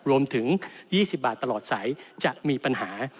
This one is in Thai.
รวมถึง๒๐บาทตลอดสายจะมีปัญหา